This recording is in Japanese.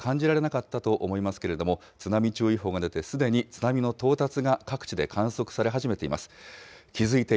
揺れは感じられなかったと思いますけれども、津波注意報が出て、すでに津波の到達が各地で観測され始めています。